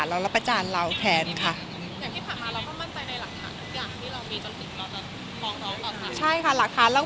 ก็คือหลักฐานสำคัญค่ะที่จะมาฟ้องเขาในวันนี้อะค่ะ